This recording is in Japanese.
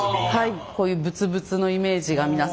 こういうぶつぶつのイメージが皆さん。